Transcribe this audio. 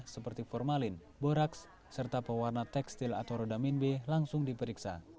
seperti formalin boraks serta pewarna tekstil atau rodamin b langsung diperiksa